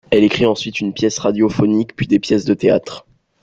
Elle écrit ensuite une pièce radiophonique puis des pièces de théâtre.